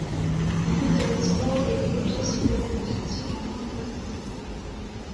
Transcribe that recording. Immédiatement le projet soulève les critiques en Grande-Bretagne.